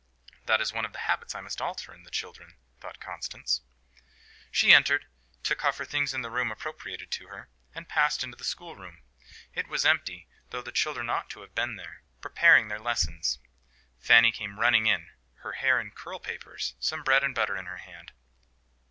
"That is one of the habits I must alter in the children," thought Constance. She entered, took off her things in the room appropriated to her, and passed into the schoolroom. It was empty, though the children ought to have been there, preparing their lessons. Fanny came running in, her hair in curl papers, some bread and butter in her hand.